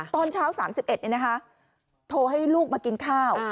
ตอนเช้า๓๑โทรให้ลูกมากินข้าว